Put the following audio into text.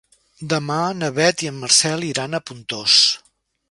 Demà na Beth i en Marcel iran a Pontós.